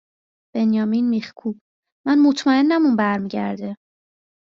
بنیامین میخکوب: من مطمئنم اون بر میگرده